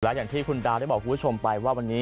อย่างที่คุณดาวได้บอกคุณผู้ชมไปว่าวันนี้